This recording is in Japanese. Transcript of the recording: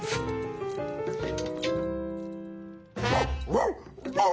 ワンワン！